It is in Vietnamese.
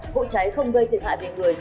vụ cháy không gây thiệt hại về người